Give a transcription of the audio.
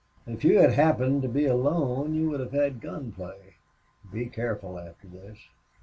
If you had happened to be alone you would have had gunplay. Be careful after this."